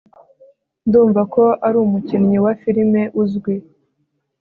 ndumva ko ari umukinnyi w'amafirime uzwi